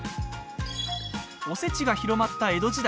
おせちが広まった江戸時代